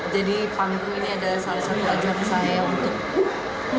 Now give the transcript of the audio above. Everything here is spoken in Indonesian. jadi panggung ini adalah salah satu ajaran saya untuk